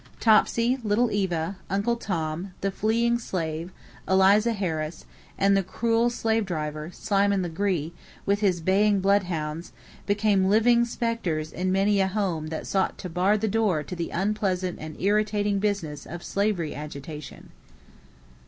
Topsy, Little Eva, Uncle Tom, the fleeing slave, Eliza Harris, and the cruel slave driver, Simon Legree, with his baying blood hounds, became living specters in many a home that sought to bar the door to the "unpleasant and irritating business of slavery agitation."